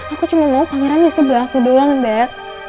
aku cuma mau pangeran di sebelah aku doang bek